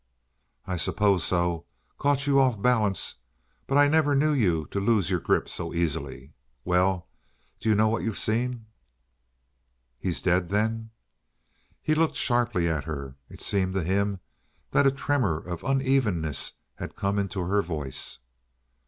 "I suppose so. Caught you off balance. But I never knew you to lose your grip so easily. Well, do you know what you've seen?" "He's dead, then?" He locked sharply at her. It seemed to him that a tremor of unevenness had come into her voice.